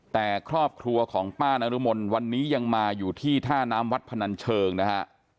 แต่ครอบครัวของป้านรมนวันนี้ยังมาอยู่ที่ท่าน้ำวัดพนันเชิงนะฮะ